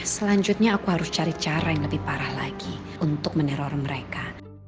selanjutnya aku harus cari cara yang lebih parah lagi untuk meneror mereka